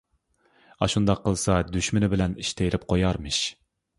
ئاشۇنداق قىلسا دۈشمىنى بىلەن ئىش تېرىپ قۇيارمىش.